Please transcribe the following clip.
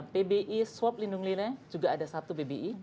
pbi swab lindung lila juga ada satu pbi